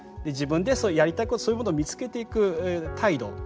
自分でやりたいことそういうものを見つけていく態度